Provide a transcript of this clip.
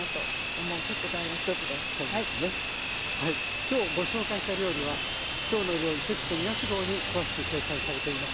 今日ご紹介した料理は「きょうの料理」テキスト２月号に詳しく掲載されています。